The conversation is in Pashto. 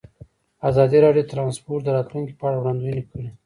ازادي راډیو د ترانسپورټ د راتلونکې په اړه وړاندوینې کړې.